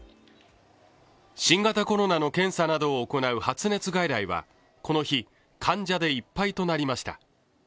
新型コロナの検査などを行う発熱外来はこの日、患者でいっぱいとなりました。